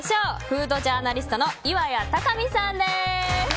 フードジャーナリストの岩谷貴美さんです。